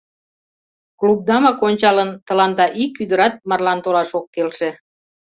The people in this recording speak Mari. Клубдамак ончалын, тыланда ик ӱдырат марлан толаш ок келше.